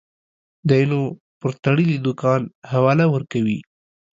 دى نو پر تړلي دوکان حواله ورکوي.